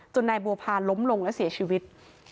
นายบัวพาล้มลงและเสียชีวิต